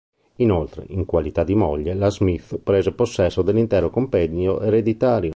Inoltre, in qualità di moglie, la Smith prese possesso dell'intero compendio ereditario.